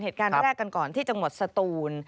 เหตุการณ์แรกกันก่อนที่จังหวัดสตูน